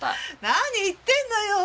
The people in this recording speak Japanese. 何言ってるのよ。